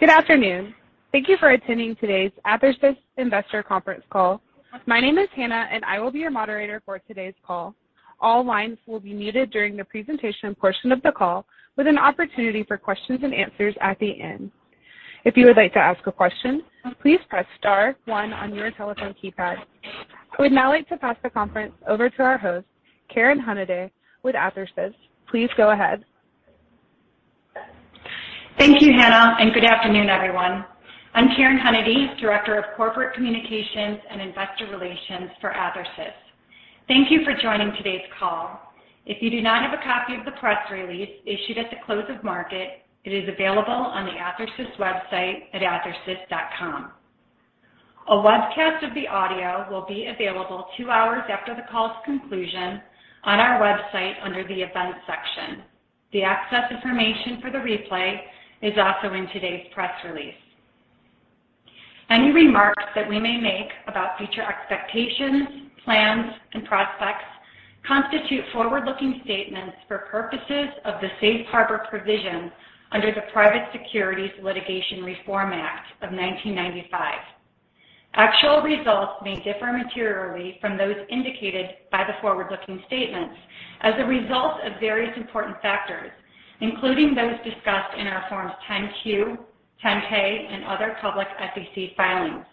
Good afternoon. Thank you for attending today's Athersys Investor Conference Call. My name is Hannah, and I will be your moderator for today's call. All lines will be muted during the presentation portion of the call, with an opportunity for questions and answers at the end. If you would like to ask a question, please press star one on your telephone keypad. I would now like to pass the conference over to our host, Karen Hunady with Athersys. Please go ahead. Thank you, Hannah, and good afternoon, everyone. I'm Karen Hunady, Director of Corporate Communications and Investor Relations for Athersys. Thank you for joining today's call. If you do not have a copy of the press release issued at the close of market, it is available on the Athersys website at athersys.com. A webcast of the audio will be available two hours after the call's conclusion on our website under the Events section. The access information for the replay is also in today's press release. Any remarks that we may make about future expectations, plans, and prospects constitute forward-looking statements for purposes of the safe harbor provision under the Private Securities Litigation Reform Act of 1995. Actual results may differ materially from those indicated by the forward-looking statements as a result of various important factors, including those discussed in our Forms 10-Q, 10-K, and other public SEC filings.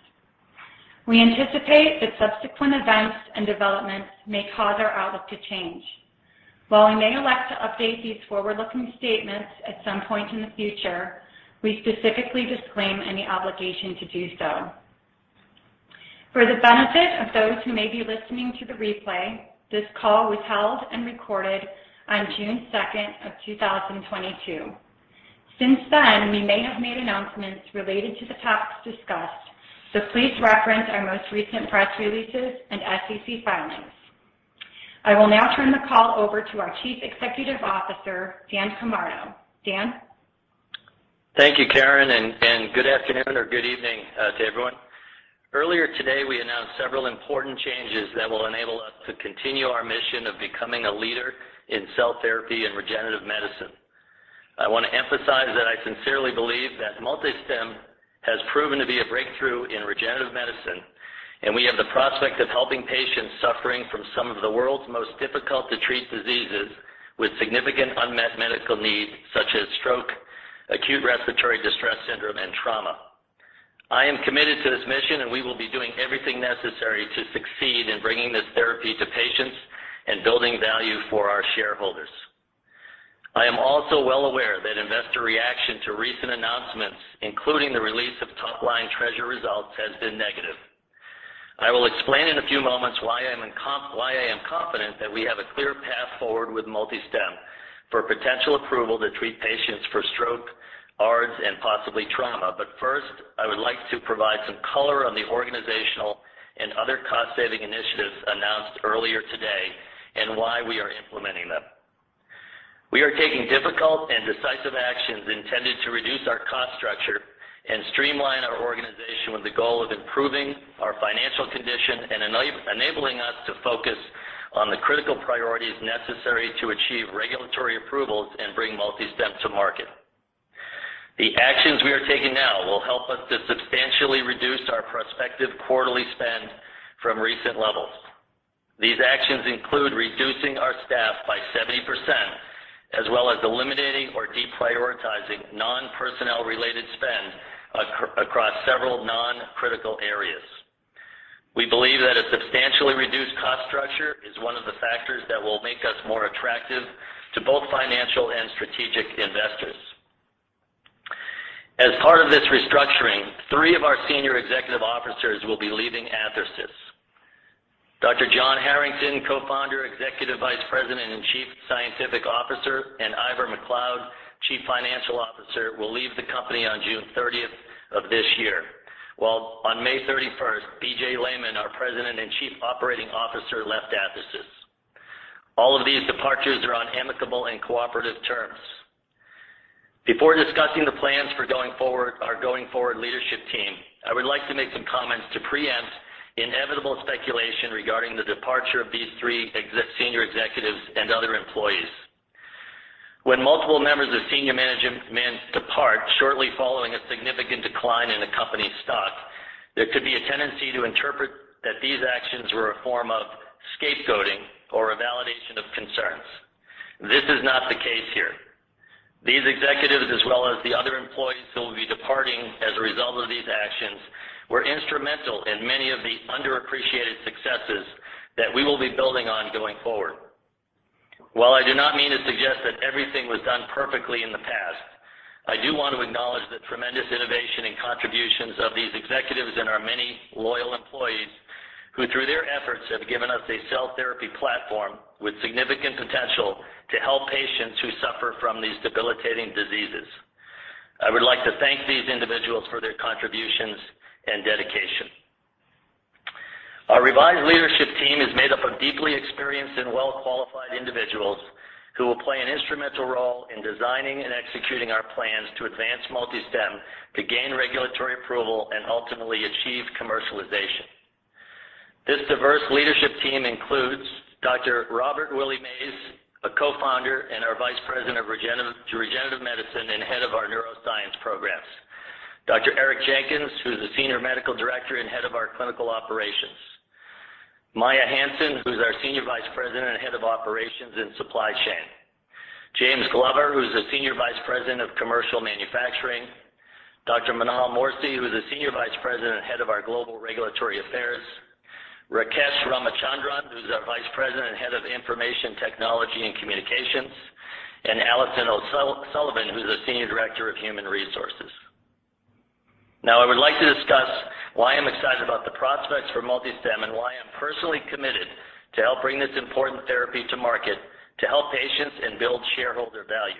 We anticipate that subsequent events and developments may cause our outlook to change. While we may elect to update these forward-looking statements at some point in the future, we specifically disclaim any obligation to do so. For the benefit of those who may be listening to the replay, this call was held and recorded on June 2nd, 2022. Since then, we may have made announcements related to the topics discussed, so please reference our most recent press releases and SEC filings. I will now turn the call over to our Chief Executive Officer, Dan Camardo. Dan? Thank you, Karen, and good afternoon or good evening to everyone. Earlier today, we announced several important changes that will enable us to continue our mission of becoming a leader in cell therapy and regenerative medicine. I wanna emphasize that I sincerely believe that MultiStem has proven to be a breakthrough in regenerative medicine, and we have the prospect of helping patients suffering from some of the world's most difficult to treat diseases with significant unmet medical needs such as stroke, acute respiratory distress syndrome, and trauma. I am committed to this mission, and we will be doing everything necessary to succeed in bringing this therapy to patients and building value for our shareholders. I am also well aware that investor reaction to recent announcements, including the release of top-line TREASURE results, has been negative. I will explain in a few moments why I am confident that we have a clear path forward with MultiStem for potential approval to treat patients for stroke, ARDS, and possibly trauma. First, I would like to provide some color on the organizational and other cost-saving initiatives announced earlier today and why we are implementing them. We are taking difficult and decisive actions intended to reduce our cost structure and streamline our organization with the goal of improving our financial condition and enabling us to focus on the critical priorities necessary to achieve regulatory approvals and bring MultiStem to market. The actions we are taking now will help us to substantially reduce our prospective quarterly spend from recent levels. These actions include reducing our staff by 70% as well as eliminating or deprioritizing non-personnel related spend across several non-critical areas. We believe that a substantially reduced cost structure is one of the factors that will make us more attractive to both financial and strategic investors. As part of this restructuring, three of our senior executive officers will be leaving Athersys. Dr. John Harrington, Co-founder, Executive Vice President and Chief Scientific Officer, and Ivor MacLeod, Chief Financial Officer, will leave the company on June 30th of this year. While on May 31st, B.J. Lehmann, our President and Chief Operating Officer, left Athersys. All of these departures are on amicable and cooperative terms. Before discussing the plans for going forward, our going forward leadership team, I would like to make some comments to preempt inevitable speculation regarding the departure of these three exiting senior executives and other employees. When multiple members of senior management depart shortly following a significant decline in a company's stock, there could be a tendency to interpret that these actions were a form of scapegoating or a validation of concerns. This is not the case here. These executives, as well as the other employees who will be departing as a result of these actions, were instrumental in many of the underappreciated successes that we will be building on going forward. While I do not mean to suggest that everything was done perfectly in the past, I do want to acknowledge the tremendous innovation and contributions of these executives and our many loyal employees who through their efforts have given us a cell therapy platform with significant potential to help patients who suffer from these debilitating diseases. I would like to thank these individuals for their contributions and dedication. Our revised leadership team is made up of deeply experienced and well-qualified individuals who will play an instrumental role in designing and executing our plans to advance MultiStem to gain regulatory approval and ultimately achieve commercialization. This diverse leadership team includes Dr. Robert Mays, a Co-founder and our Vice President of Regenerative Medicine and Head of our Neuroscience programs. Dr. Eric Jenkins, who's the Senior Medical Director and Head of our Clinical Operations. Maia Hansen, who's our Senior Vice President and Head of Operations and Supply Chain. James Glover, who's the Senior Vice President of Commercial Manufacturing. Dr. Manal Morsy, who's the Senior Vice President and Head of our Global Regulatory Affairs. Rakesh Ramachandran, who's our Vice President and Head of Information Technology and Communications, and Alison O'Sullivan, who's the Senior Director of Human Resources. Now I would like to discuss why I'm excited about the prospects for MultiStem and why I'm personally committed to help bring this important therapy to market to help patients and build shareholder value.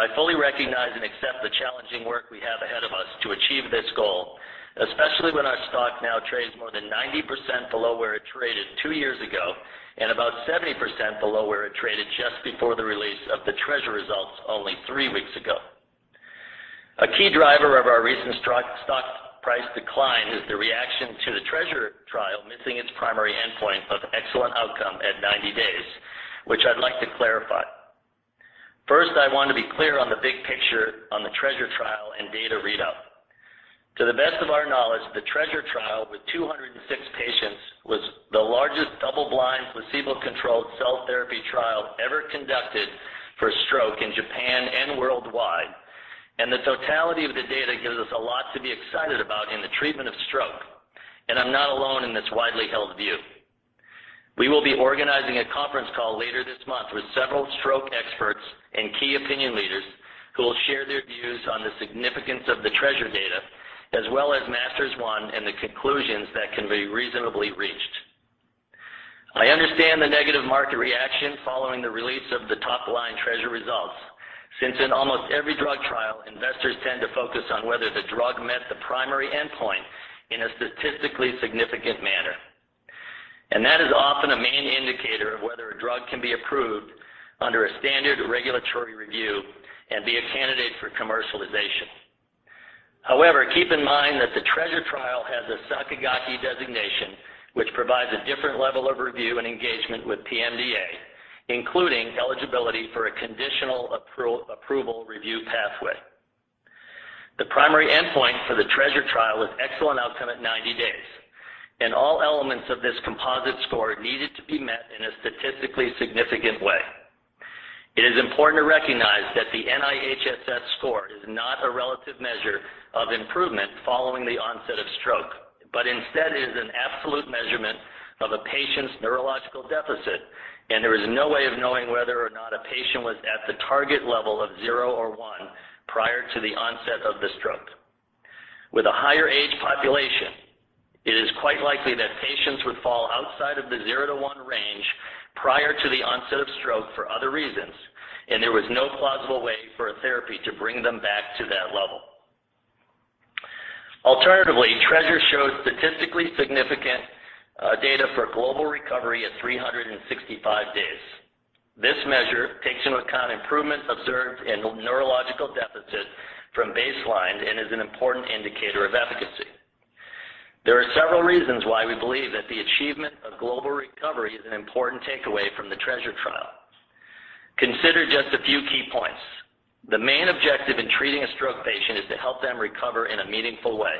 I fully recognize and accept the challenging work we have ahead of us to achieve this goal, especially when our stock now trades more than 90% below where it traded two years ago and about 70% below where it traded just before the release of the TREASURE results only three weeks ago. A key driver of our recent stock price decline is the reaction to the TREASURE trial missing its primary endpoint of excellent outcome at 90 days, which I'd like to clarify. First, I want to be clear on the big picture on the TREASURE trial and data readout. To the best of our knowledge, the TREASURE trial with 206 patients was the largest double-blind, placebo-controlled cell therapy trial ever conducted for stroke in Japan and worldwide. The totality of the data gives us a lot to be excited about in the treatment of stroke, and I'm not alone in this widely held view. We will be organizing a conference call later this month with several stroke experts and key opinion leaders who will share their views on the significance of the TREASURE data, as well as MASTERS-1 and the conclusions that can be reasonably reached. I understand the negative market reaction following the release of the top-line TREASURE results since in almost every drug trial, investors tend to focus on whether the drug met the primary endpoint in a statistically significant manner. That is often a main indicator of whether a drug can be approved under a standard regulatory review and be a candidate for commercialization. However, keep in mind that the TREASURE trial has a Sakigake designation, which provides a different level of review and engagement with PMDA, including eligibility for a conditional approval review pathway. The primary endpoint for the TREASURE trial was excellent outcome at 90 days, and all elements of this composite score needed to be met in a statistically significant way. It is important to recognize that the NIHSS score is not a relative measure of improvement following the onset of stroke, but instead it is an absolute measurement of a patient's neurological deficit, and there is no way of knowing whether or not a patient was at the target level of 0 or 1 prior to the onset of the stroke. With a higher age population, it is quite likely that patients would fall outside of the 0 to 1 range prior to the onset of stroke for other reasons, and there was no plausible way for a therapy to bring them back to that level. Alternatively, TREASURE showed statistically significant data for global recovery at 365 days. This measure takes into account improvements observed in neurological deficits from baseline and is an important indicator of efficacy. There are several reasons why we believe that the achievement of global recovery is an important takeaway from the TREASURE trial. Consider just a few key points. The main objective in treating a stroke patient is to help them recover in a meaningful way.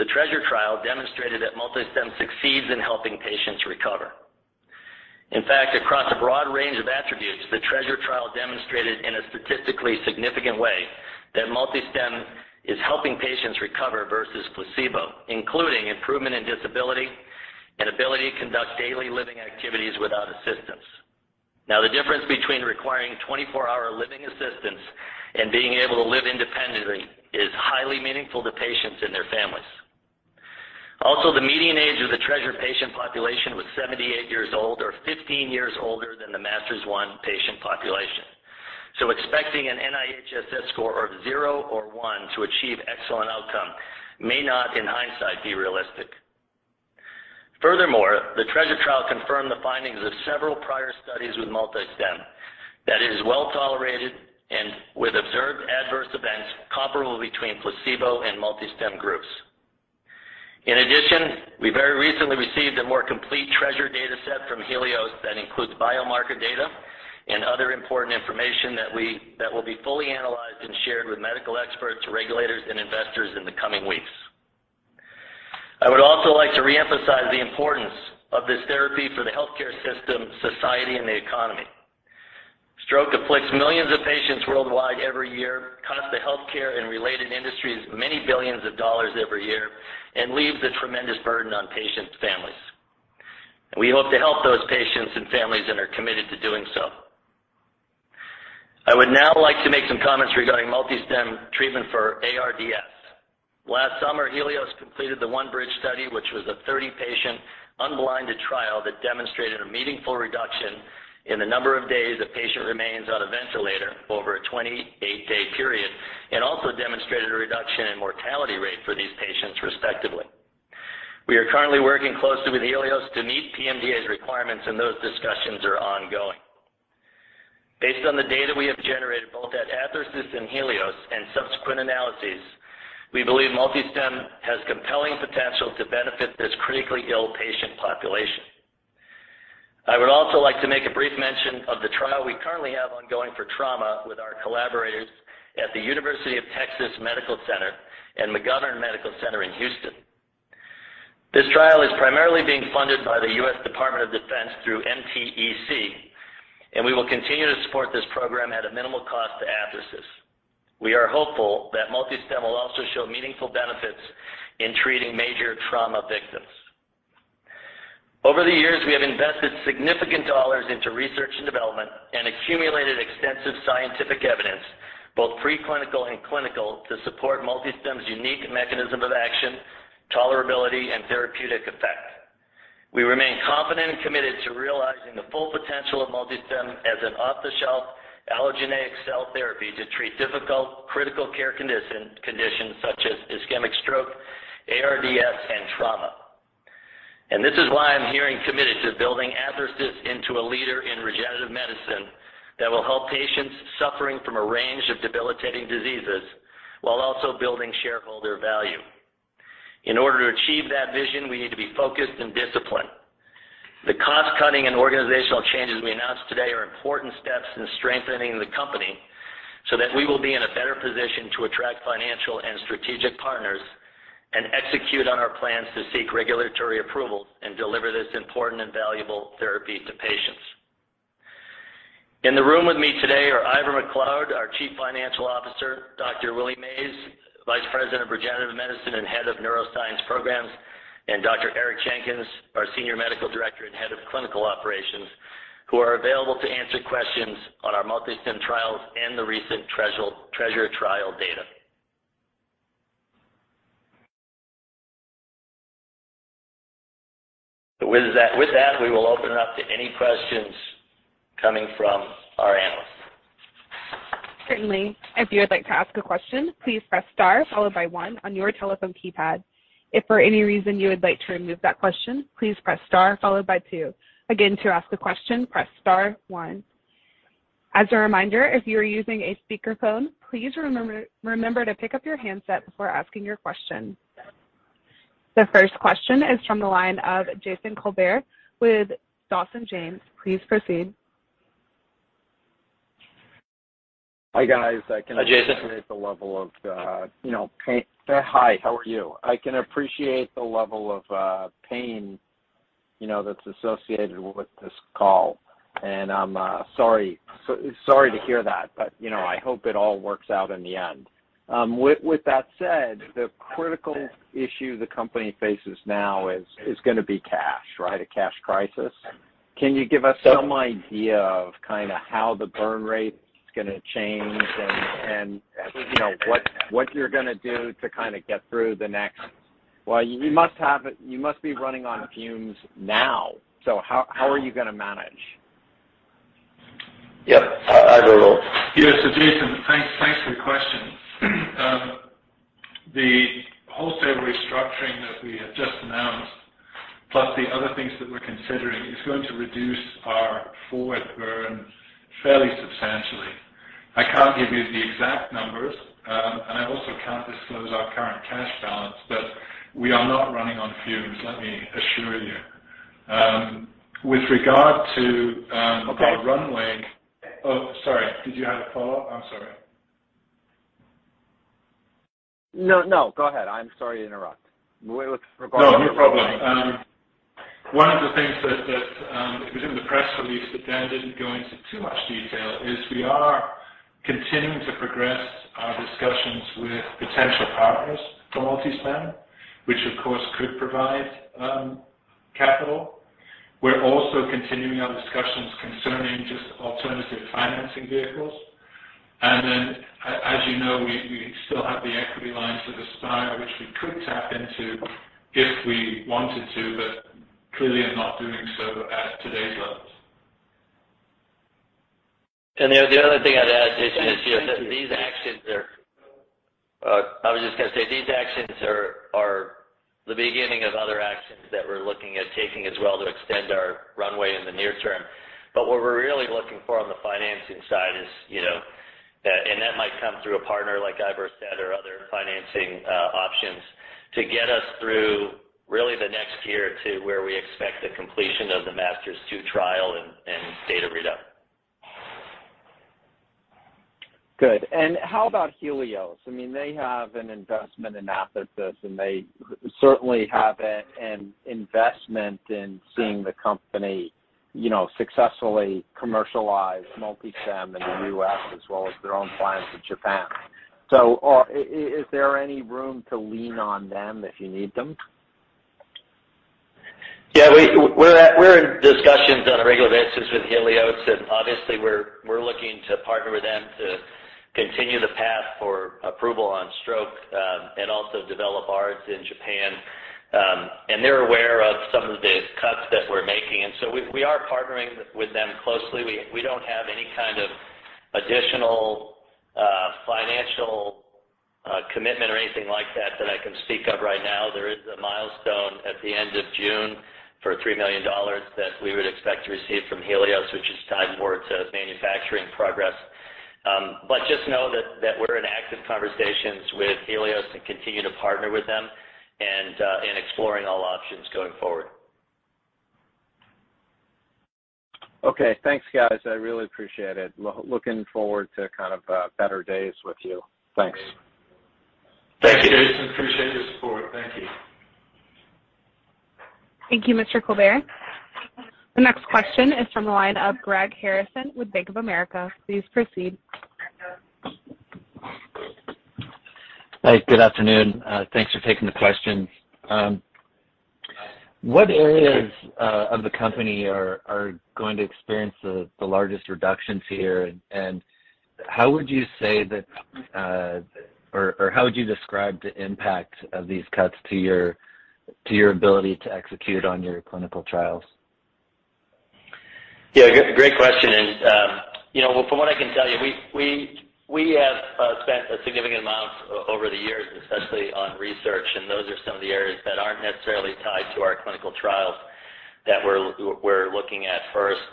The TREASURE trial demonstrated that MultiStem succeeds in helping patients recover. In fact, across a broad range of attributes, the TREASURE trial demonstrated in a statistically significant way that MultiStem is helping patients recover versus placebo, including improvement in disability and ability to conduct daily living activities without assistance. Now, the difference between requiring 24 hour living assistance and being able to live independently is highly meaningful to patients and their families. Also, the median age of the TREASURE patient population was 78 years old or 15 years older than the MASTERS-1 patient population. Expecting an NIHSS score of 0 or 1 to achieve excellent outcome may not, in hindsight, be realistic. Furthermore, the TREASURE trial confirmed the findings of several prior studies with MultiStem that is well-tolerated and with observed adverse events comparable between placebo and MultiStem groups. In addition, we very recently received a more complete TREASURE data set from Healios that includes biomarker data and other important information that will be fully analyzed and shared with medical experts, regulators, and investors in the coming weeks. I would also like to reemphasize the importance of this therapy for the healthcare system, society, and the economy. Stroke afflicts millions of patients worldwide every year, costs the healthcare and related industries many billions of dollars every year, and leaves a tremendous burden on patients' families. We hope to help those patients and families and are committed to doing so. I would now like to make some comments regarding MultiStem treatment for ARDS. Last summer, Healios completed the ONE-BRIDGE study, which was a 30-patient unblinded trial that demonstrated a meaningful reduction in the number of days a patient remains on a ventilator over a 28-day period and also demonstrated a reduction in mortality rate for these patients, respectively. We are currently working closely with Healios to meet PMDA's requirements, and those discussions are ongoing. Based on the data we have generated both at Athersys and Healios and subsequent analyses, we believe MultiStem has compelling potential to benefit this critically ill patient population. I would also like to make a brief mention of the trial we currently have ongoing for trauma with our collaborators at the University of Texas Health Science Center at Houston and McGovern Medical School in Houston. This trial is primarily being funded by the U.S. Department of Defense through MTEC, and we will continue to support this program at a minimal cost to Athersys. We are hopeful that MultiStem will also show meaningful benefits in treating major trauma victims. Over the years, we have invested significant dollars into research and development and accumulated extensive scientific evidence, both preclinical and clinical, to support MultiStem's unique mechanism of action, tolerability, and therapeutic effect. We remain confident and committed to realizing the full potential of MultiStem as an off-the-shelf allogeneic cell therapy to treat difficult critical care conditions such as ischemic stroke, ARDS and trauma. This is why I'm here and committed to building Athersys into a leader in regenerative medicine that will help patients suffering from a range of debilitating diseases while also building shareholder value. In order to achieve that vision, we need to be focused and disciplined. The cost cutting and organizational changes we announced today are important steps in strengthening the company so that we will be in a better position to attract financial and strategic partners and execute on our plans to seek regulatory approvals and deliver this important and valuable therapy to patients. In the room with me today are Ivor MacLeod, our Chief Financial Officer, Dr. Willie Mays, Vice President of Regenerative Medicine and Head of Neuroscience Programs, and Dr. Eric Jenkins, our Senior Medical Director and Head of Clinical Operations, who are available to answer questions on our MultiStem trials and the recent TREASURE trial data. With that, we will open it up to any questions coming from our analysts. Certainly. If you would like to ask a question, please press star followed by one on your telephone keypad. If for any reason you would like to remove that question, please press star followed by two. Again, to ask a question, press star one. As a reminder, if you are using a speakerphone, please remember to pick up your handset before asking your question. The first question is from the line of Jason Kolbert with Dawson James. Please proceed. Hi, guys. Hi, Jason. I can appreciate the level of, you know, pain. Hi, how are you? I can appreciate the level of pain, you know, that's associated with this call, and I'm sorry to hear that. You know, I hope it all works out in the end. With that said, the critical issue the company faces now is gonna be cash, right? A cash crisis. Can you give us some idea of kinda how the burn rate is gonna change and, you know, what you're gonna do to kinda get through the next. Well, you must be running on fumes now. How are you gonna manage? Yep. Ivor. Yes. Jason, thanks for the question. The wholesale restructuring that we have just announced, plus the other things that we're considering, is going to reduce our forward burn fairly substantially. I can't give you the exact numbers, and I also can't disclose our current cash balance, but we are not running on fumes, let me assure you. With regard to. Okay. Oh, sorry. Did you have a follow-up? I'm sorry. No, no. Go ahead. I'm sorry to interrupt. With regard to. No, no problem. One of the things that was in the press release that Dan didn't go into too much detail is we are continuing to progress our discussions with potential partners for MultiStem, which of course could provide capital. We're also continuing our discussions concerning just alternative financing vehicles. Then as you know, we still have the equity lines with Aspire, which we could tap into if we wanted to, but clearly are not doing so at today's levels. The other thing I'd add, Jason, is, you know, these actions are the beginning of other actions that we're looking at taking as well to extend our runway in the near term. What we're really looking for on the financing side is, you know, that might come through a partner like Ivor said or other financing options to get us through really the next year to where we expect the completion of the MASTERS-2 trial and data readout. Good. How about Healios? I mean, they have an investment in Athersys, and they certainly have an investment in seeing the company, you know, successfully commercialize MultiStem in the U.S. as well as their own trials in Japan. Is there any room to lean on them if you need them? Yeah. We're in discussions on a regular basis with Healios, and obviously we're looking to partner with them to continue the path for approval on stroke, and also develop ARDS in Japan. They're aware of some of the cuts that we're making, and so we are partnering with them closely. We don't have any kind of additional financial commitment or anything like that that I can speak of right now. There is a milestone at the end of June for $3 million that we would expect to receive from Healios, which is tied more to manufacturing progress. Just know that we're in active conversations with Healios and continue to partner with them in exploring all options going forward. Okay, thanks, guys. I really appreciate it. Looking forward to kind of better days with you. Thanks. Thank you Jason. Appreciate your support. Thank you. Thank you, Mr. Kolbert. The next question is from the line of Greg Harrison with Bank of America. Please proceed. Hi. Good afternoon. Thanks for taking the question. What areas of the company are going to experience the largest reductions here, and how would you say that or how would you describe the impact of these cuts to your ability to execute on your clinical trials? Yeah, great question. From what I can tell you, we have spent a significant amount over the years, especially on research, and those are some of the areas that aren't necessarily tied to our clinical trials that we're looking at first.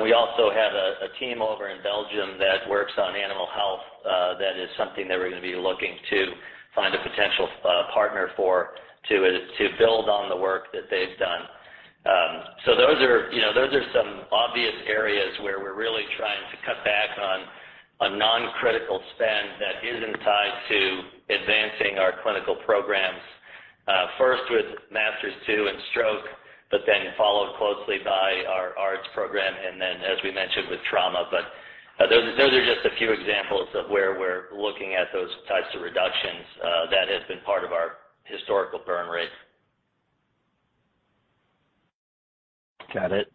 We also have a team over in Belgium that works on animal health, that is something that we're gonna be looking to find a potential partner for to build on the work that they've done. Those are, you know, those are some obvious areas where we're really trying to cut back on non-critical spend that isn't tied to advancing our clinical programs, first with MASTERS-2 and stroke, but then followed closely by our ARDS program, and then, as we mentioned, with trauma. Those are just a few examples of where we're looking at those types of reductions that has been part of our historical burn rate. Got it.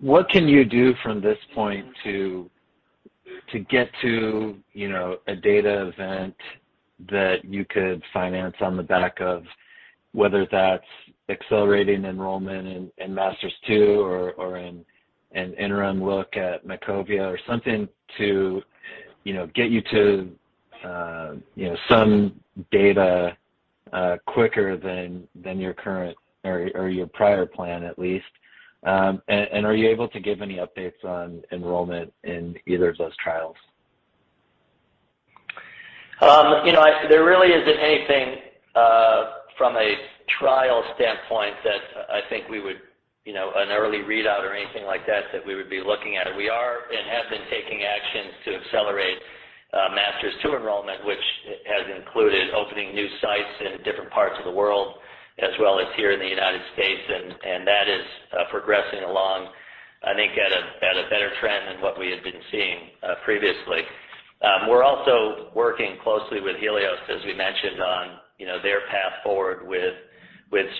What can you do from this point to get to a data event that you could finance on the back of whether that's accelerating enrollment in MASTERS-2 or in an interim look at MACOVIA or something to get you to some data quicker than your current or your prior plan at least? Are you able to give any updates on enrollment in either of those trials? You know, there really isn't anything from a trial standpoint that I think we would, you know, an early readout or anything like that we would be looking at. We are and have been taking actions to accelerate MASTERS-2 enrollment, which has included opening new sites in different parts of the world, as well as here in the United States. That is progressing along, I think at a better trend than what we had been seeing previously. We're also working closely with Healios, as we mentioned, on, you know, their path forward with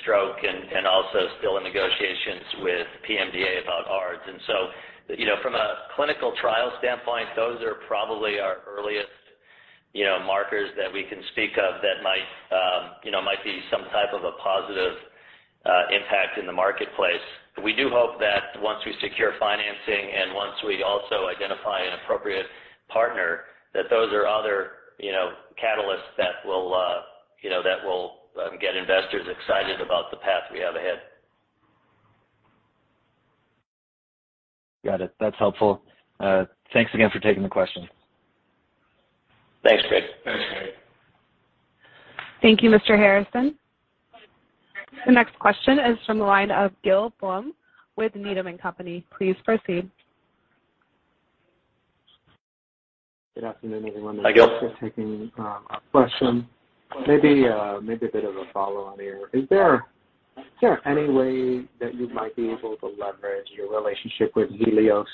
stroke and also still in negotiations with PMDA about ARDS. You know, from a clinical trial standpoint, those are probably our earliest, you know, markers that we can speak of that might be some type of a positive impact in the marketplace. We do hope that once we secure financing and once we also identify an appropriate partner, that those are other, you know, catalysts that will get investors excited about the path we have ahead. Got it. That's helpful. Thanks again for taking the question. Thanks, Greg. Thanks, Greg. Thank you, Mr. Harrison. The next question is from the line of Gil Blum with Needham & Company. Please proceed. Good afternoon, everyone. Hi, Gil. Thanks for taking our question. Maybe a bit of a follow-on here. Is there any way that you might be able to leverage your relationship with Healios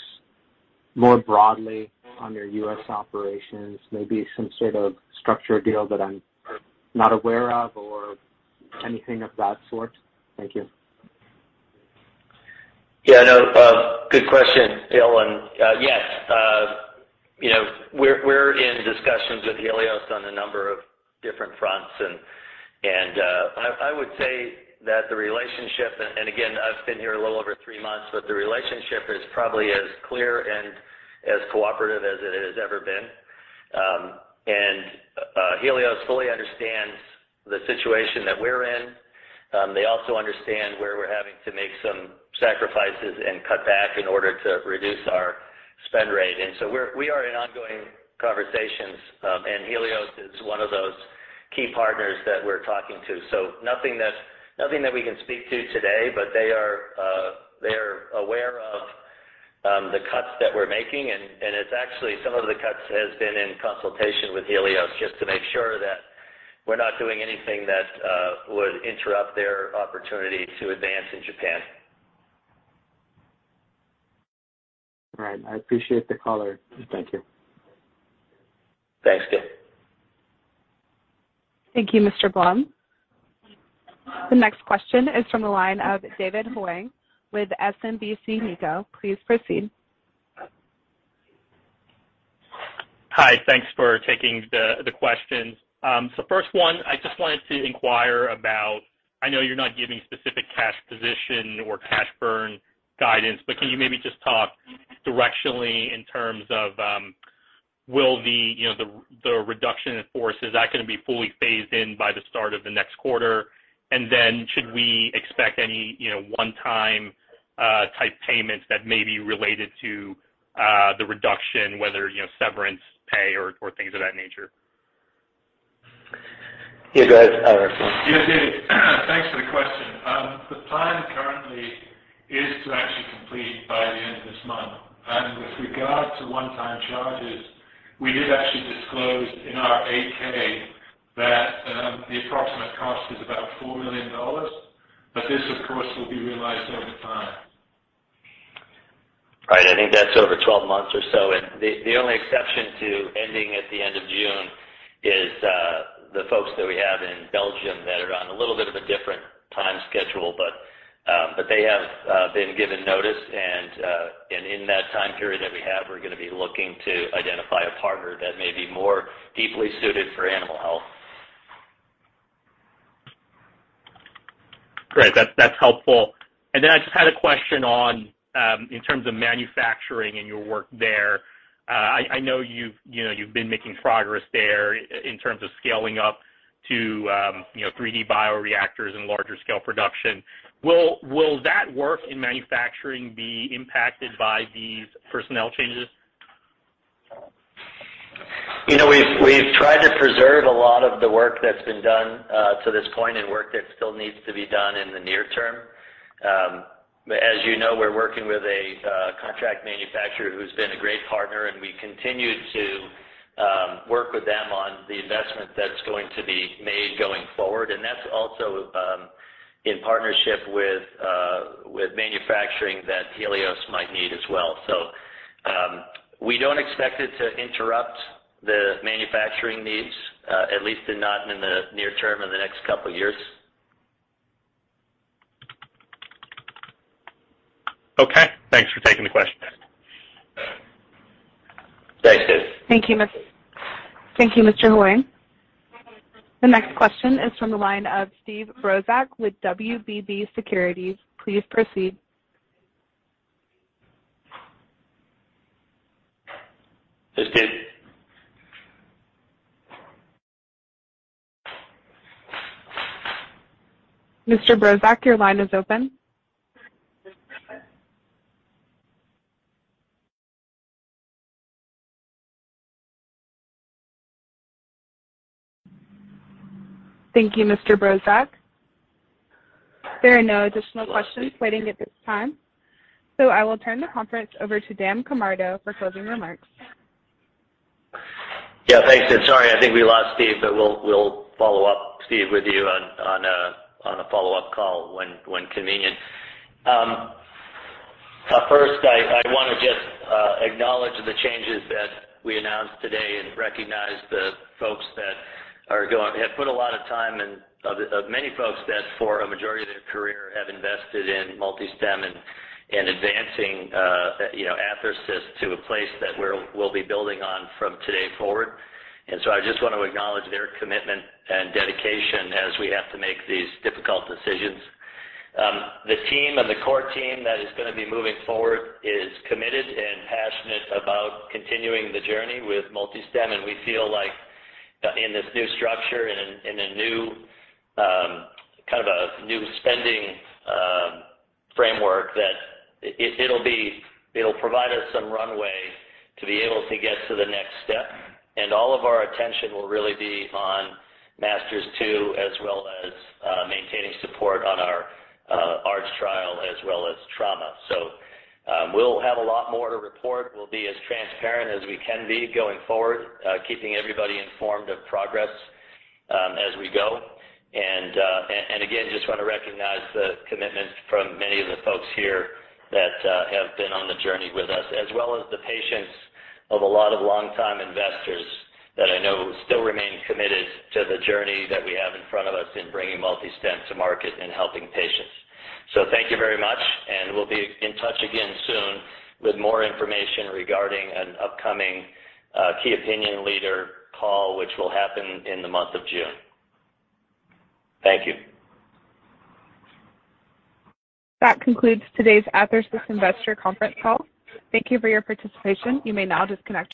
more broadly on your U.S. operations, maybe some sort of structured deal that I'm not aware of or anything of that sort? Thank you. Yeah, no. Good question, Gil. Yes, you know, we're in discussions with Healios on a number of different fronts. I would say that the relationship, and again, I've been here a little over three months, but the relationship is probably as clear and as cooperative as it has ever been. Healios fully understands the situation that we're in. They also understand where we're having to make some sacrifices and cut back in order to reduce our spend rate. We are in ongoing conversations, and Healios is one of those key partners that we're talking to. Nothing that we can speak to today, but they are aware of the cuts that we're making. It's actually some of the cuts has been in consultation with Healios just to make sure that we're not doing anything that would interrupt their opportunity to advance in Japan. All right. I appreciate the color. Thank you. Thanks, Gil. Thank you, Mr. Blum. The next question is from the line of David Hoang with SMBC Nikko. Please proceed. Hi. Thanks for taking the question. So first one, I just wanted to inquire about. I know you're not giving specific cash position or cash burn guidance. Can you maybe just talk directionally in terms of, will the reduction in force is that gonna be fully phased in by the start of the next quarter? And then should we expect any, you know, one-time type payments that may be related to the reduction, whether, you know, severance pay or things of that nature? Yeah, go ahead, Ivor MacLeod. Yeah, David. Thanks for the question. The plan currently is to actually complete by the end of this month. With regard to one-time charges, we did actually disclose in our 8-K that the approximate cost is about $4 million, but this, of course, will be realized over time. Right. I think that's over 12 months or so. The only exception to ending at the end of June is the folks that we have in Belgium that are on a little bit of a different time schedule. They have been given notice, and in that time period that we have, we're gonna be looking to identify a partner that may be more deeply suited for animal health. Great. That's helpful. I just had a question on in terms of manufacturing and your work there. I know you've you know you've been making progress there in terms of scaling up to you know 3-D bioreactors and larger scale production. Will that work in manufacturing be impacted by these personnel changes? You know, we've tried to preserve a lot of the work that's been done to this point and work that still needs to be done in the near term. As you know, we're working with a contract manufacturer who's been a great partner, and we continue to work with them on the investment that's going to be made going forward. That's also in partnership with manufacturing that Healios might need as well. We don't expect it to interrupt the manufacturing needs, at least they're not in the near term in the next couple years. Okay. Thanks for taking the question. Thanks, David. Thank you, Mr. Hoang. The next question is from the line of Steve Brozak with WBB Securities. Please proceed. Steve. Mr. Brozak, your line is open. Thank you, Mr. Brozak. There are no additional questions waiting at this time, so I will turn the conference over to Dan Camardo for closing remarks. Yeah, thanks. Sorry, I think we lost Steve, but we'll follow up, Steve, with you on a follow-up call when convenient. First, I wanna just acknowledge the changes that we announced today and recognize the folks that have put a lot of time and of many folks that for a majority of their career have invested in MultiStem and advancing, you know, Athersys to a place that we'll be building on from today forward. I just want to acknowledge their commitment and dedication as we have to make these difficult decisions. The team and the core team that is gonna be moving forward is committed and passionate about continuing the journey with MultiStem, and we feel like, in this new structure and in a new kind of a new spending framework that it'll provide us some runway to be able to get to the next step. All of our attention will really be on MASTERS-2, as well as maintaining support on our ARDS trial as well as trauma. We'll have a lot more to report. We'll be as transparent as we can be going forward, keeping everybody informed of progress, as we go. Again, just wanna recognize the commitment from many of the folks here that have been on the journey with us, as well as the patience of a lot of longtime investors that I know still remain committed to the journey that we have in front of us in bringing MultiStem to market and helping patients. Thank you very much, and we'll be in touch again soon with more information regarding an upcoming key opinion leader call, which will happen in the month of June. Thank you. That concludes today's Athersys Investor Conference Call. Thank you for your participation. You may now disconnect.